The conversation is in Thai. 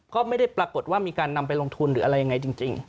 ก็ไม่ได้ปรากฏว่ามีการนำไปลงทุนหรืออะไรยังไงจริง